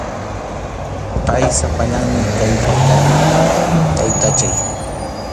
Pay sapallanmi kay llaqtapi, taytachay.